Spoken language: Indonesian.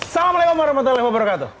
salamualaikum warahmatullahi wabarakatuh